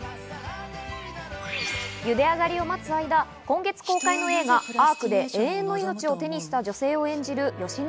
茹で上がりを待つ間、今月公開の映画『Ａｒｃアーク』で永遠の命を手にした女性を演じる芳根